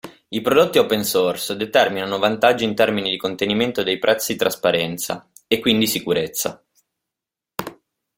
I prodotti open source determinano vantaggi in termini di contenimento dei prezzi trasparenza, e quindi sicurezza.